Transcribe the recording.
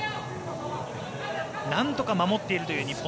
なんとか守っているという日本。